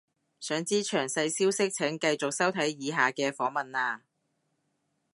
想知詳細消息請繼續收睇以下嘅訪問喇